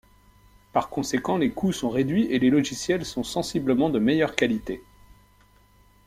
Par conséquent, les coûts sont réduits et les logiciels sont sensiblement de meilleures qualités.